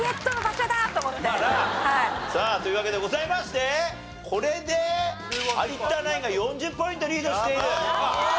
さあというわけでございましてこれで有田ナインが４０ポイントリードしている。